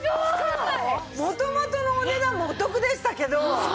元々のお値段もお得でしたけど。